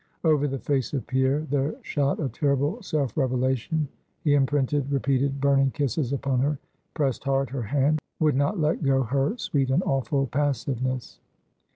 Over the face of Pierre there shot a terrible self revelation; he imprinted repeated burning kisses upon her; pressed hard her hand; would not let go her sweet and awful passiveness.